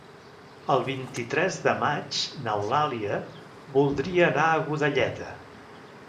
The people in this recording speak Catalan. El vint-i-tres de maig n'Eulàlia voldria anar a Godelleta.